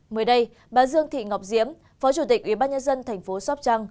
mới đây bà dương thị ngọc diễm phó chủ tịch ủy ban nhân dân tp sopchang